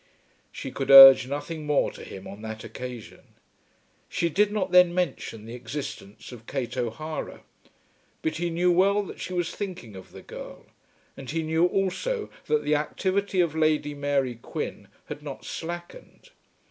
She could urge nothing more to him on that occasion. She did not then mention the existence of Kate O'Hara. But he knew well that she was thinking of the girl, and he knew also that the activity of Lady Mary Quin had not slackened.